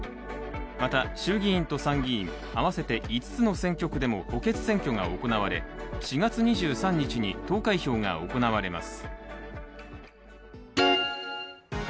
また、衆議院と参議院、合わせて５つの選挙区でも補欠選挙が行われ、４月２３日に投開票が行われます。